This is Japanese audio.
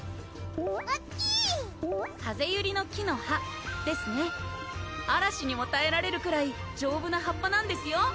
おっきい風ゆりの木の葉ですね嵐にもたえられるくらい丈夫な葉っぱなんですよ